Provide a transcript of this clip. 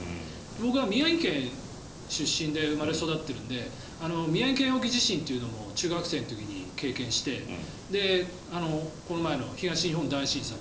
僕は宮城県出身で生まれ育っているので宮城県沖地震というのも中学生の時に経験してこの前の東日本大震災。